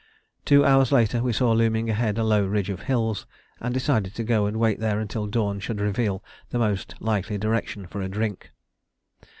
Two hours later we saw looming ahead a low ridge of hills, and decided to go and wait there until dawn should reveal the most likely direction for a drink.